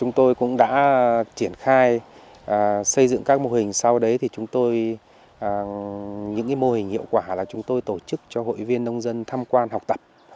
chúng tôi cũng đã triển khai xây dựng các mô hình sau đấy thì chúng tôi những mô hình hiệu quả là chúng tôi tổ chức cho hội viên nông dân tham quan học tập